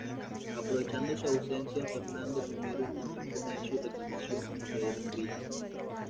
Aprovechando su ausencia, Fernando I intentó imponer su reclamación como rey de Hungría.